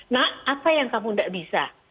nah apa yang kamu tidak bisa